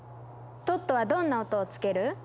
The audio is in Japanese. トットはどんな音をつける？